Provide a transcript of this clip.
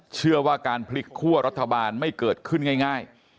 เชื่อว่าการพลิกคั่วรัฐบาลไม่เกิดขึ้นง่าย